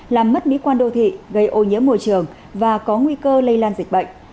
làm mất mỹ quan đô thị gây ô nhiễm môi trường và có nguy cơ lây lan dịch bệnh